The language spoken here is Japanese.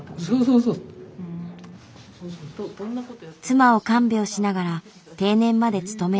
妻を看病しながら定年まで勤め上げた。